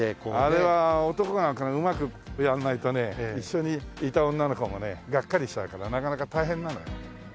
あれは男がうまくやんないとね一緒にいた女の子もねガッカリしちゃうからなかなか大変なのよ。